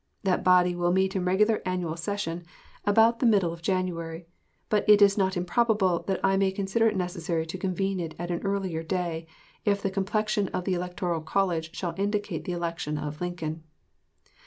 That body will meet in regular annual session about the middle of January; but it is not improbable that I may consider it necessary to convene it at an earlier day, if the complexion of the electoral colleges shall indicate the election of Lincoln.